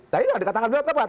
nah iya dikatakan belakang